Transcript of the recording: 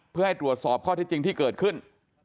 เพื่อให้ตรวจสอบข้อที่จริงที่เกิดขึ้น